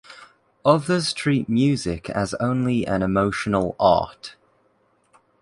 Others treat music as only an emotional art.